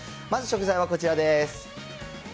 まず食材はこちらです。